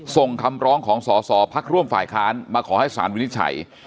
ส่งคำร้องของสอสอพักร่วมฝ่ายค้านมาขอให้สารวินิจฉัย